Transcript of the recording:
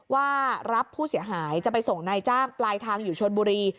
ว่ารับผู้เสียหายจะไปส่งนายจ้างปลายทางอยู่ชนบุรี